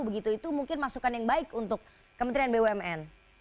begitu itu mungkin masukan yang baik untuk kementerian bumn